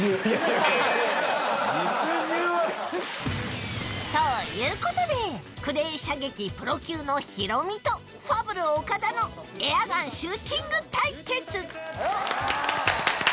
実銃は！ということでクレー射撃プロ級のヒロミとファブル・岡田のエアガンシューティング対決いよっ！